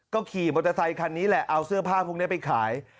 ก็ขี่มอเตอร์ไซคันนี้แหละเอาเสื้อผ้าพวกนี้ไปขาย